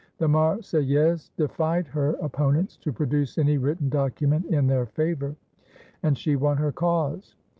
The Marseillaise defied her opponents to produce any written document in their favour, and she won her cause.